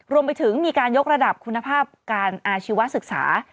รวมไปถึงมีการยกระดับคุณภาพการอาชีวศึกษา